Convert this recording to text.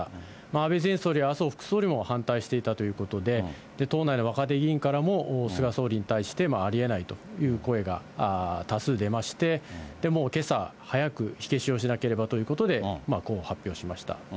安倍前総理や麻生副総理も反対していたということで、党内の若手議員からも、菅総理に対してありえないという声が多数出まして、もうけさ早く、火消しをしなければということで、こう発表しました。